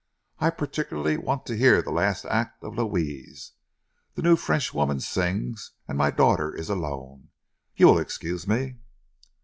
I particularly want to hear the last act of 'Louise.' The new Frenchwoman sings, and my daughter is alone. You will excuse me."